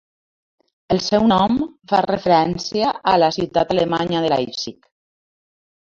El seu nom fa referència a la ciutat alemanya de Leipzig.